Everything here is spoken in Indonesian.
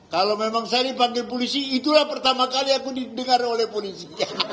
kalau memang saya dipanggil polisi itulah pertama kali aku didengar oleh polisi